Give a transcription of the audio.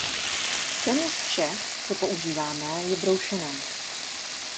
Téměř vše, co používáme, je broušené.